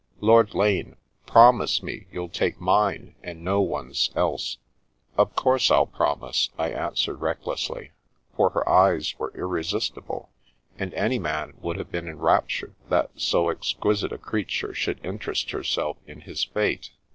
" Lord Lane, promise me you'll take mine and no one's else." " Of course I'll promise," I answered recklessly, for her eyes were irresistible, and any man would have been enraptured that so exquisite a creature should interest herself in his fate.